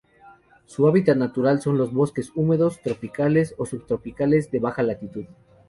Su hábitat natural son: Bosques húmedos tropicales o subtropicales, de baja altitud.